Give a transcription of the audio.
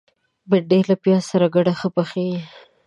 بېنډۍ له پیاز سره ګډه ښه پخیږي